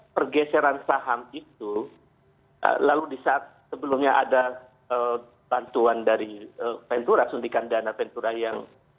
pergeseran saham itu lalu disaat sebelumnya ada bantuan dari ventura sundikan dana ventura yang